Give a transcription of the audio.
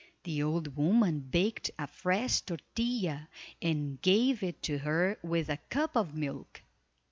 The old woman baked a fresh tortilla and gave it to her with a cup of milk.